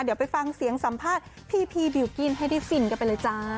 เดี๋ยวไปฟังเสียงสัมภาษณ์พี่บิลกิ้นให้ได้ฟินกันไปเลยจ้า